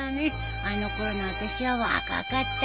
あの頃のあたしは若かったよ。